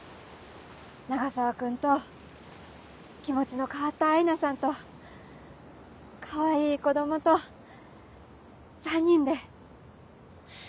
永沢君と気持ちの変わったアイナさんとかわいい子供と３人で。